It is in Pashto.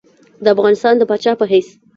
د افغانستان د پاچا په حیث.